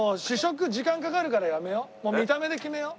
もう見た目で決めよう。